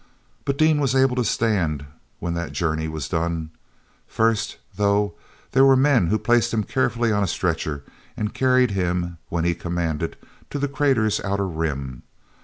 But Dean was able to stand when that journey was done. First, though, there were men who placed him carefully on a stretcher and carried him, when he commanded, to the crater's outer rim.